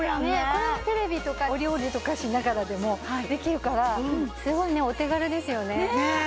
これでテレビとかお料理とかしながらでもできるからすごいねお手軽ですよねねえ